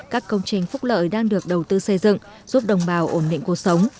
các công trình phúc lợi đang được đầu tư xây dựng giúp đồng bào ổn định cuộc sống